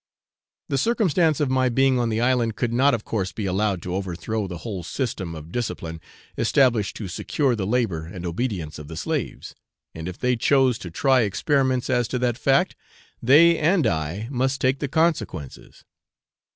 The circumstance of my being on the island could not of course be allowed to overthrow the whole system of discipline established to secure the labour and obedience of the slaves; and if they chose to try experiments as to that fact, they and I must take the consequences.